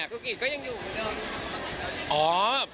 ก็ยังอยู่อยู่เดิมครับ